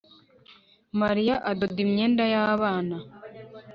Mariya adoda imyenda yabana